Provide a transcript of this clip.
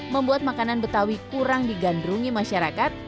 membuat makanan betawi kurang digandrungi masyarakat